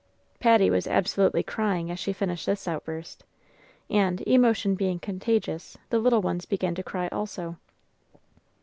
Patty was absolutely crying as she finished this outburst; and, emotion being contagious, the little ones began to cry also.